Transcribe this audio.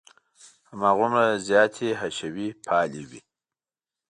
هماغومره زیاتې حشوي پالې وې.